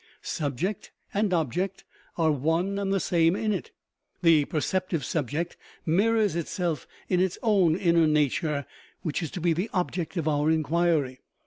Subject and object are one and the same in it: the perceptive subject mirrors itself in its own inner nature, which is to be the object of our inquiry.